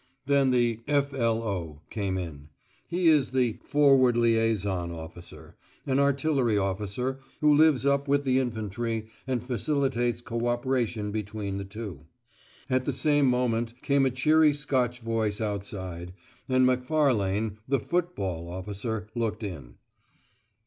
Then the "F.L.O." came in. He is the "Forward liaison officer," an artillery officer who lives up with the infantry and facilitates co operation between the two. At the same moment came a cheery Scotch voice outside, and Macfarlane, the "football" officer, looked in.